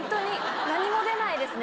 何も出ないですね